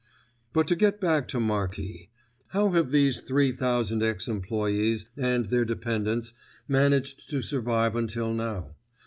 But to get back to Marki, how have these three thousand ex employees and their dependents managed to survive until now?